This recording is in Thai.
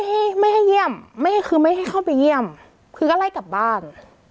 ให้ไม่ให้เยี่ยมไม่ให้คือไม่ให้เข้าไปเยี่ยมคือก็ไล่กลับบ้าน